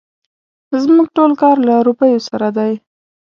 زموږ ټول کار له روپيو سره دی.